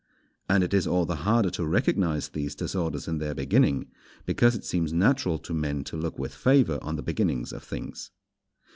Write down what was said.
And it is all the harder to recognize these disorders in their beginning, because it seems natural to men to look with favour on the beginnings of things.